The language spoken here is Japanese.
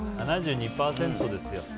７２％ですよ。